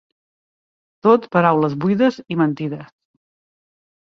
Tot paraules buides i mentides.